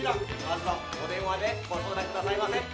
「まずはお電話でご相談くださいませ」